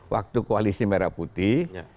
waktu koalisi merah putih